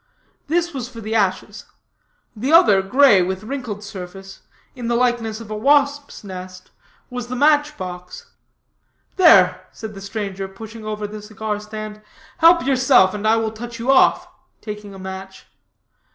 This was for the ashes. The other, gray, with wrinkled surface, in the likeness of a wasp's nest, was the match box. "There," said the stranger, pushing over the cigar stand, "help yourself, and I will touch you off," taking a match.